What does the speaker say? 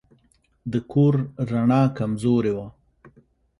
د کور رڼا کمزورې وه.